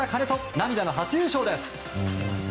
涙の初優勝です！